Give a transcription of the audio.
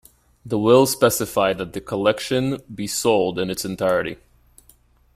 The will specified that the collection be sold in its entirety.